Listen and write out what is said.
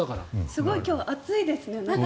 すごく今日は熱いですね。